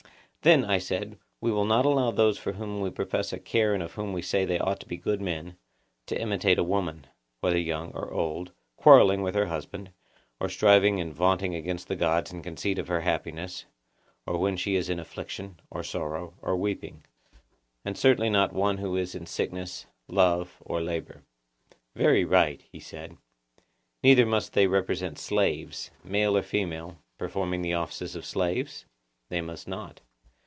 Then, I said, we will not allow those for whom we profess a care and of whom we say that they ought to be good men, to imitate a woman, whether young or old, quarrelling with her husband, or striving and vaunting against the gods in conceit of her happiness, or when she is in affliction, or sorrow, or weeping; and certainly not one who is in sickness, love, or labour. Very right, he said. Neither must they represent slaves, male or female, performing the offices of slaves? They must not.